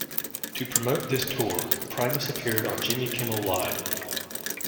To promote this tour, Primus appeared on Jimmy Kimmel Live!